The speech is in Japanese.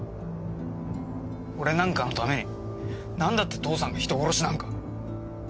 俺なんかのためになんだって父さんが人殺しなんか。